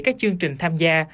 các chương trình tham gia